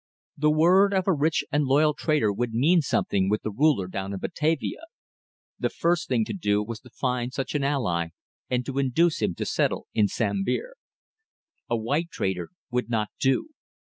The word of a rich and loyal trader would mean something with the Ruler down in Batavia. The first thing to do was to find such an ally and to induce him to settle in Sambir. A white trader would not do.